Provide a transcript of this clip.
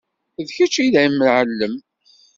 D kečč ay d amɛellem.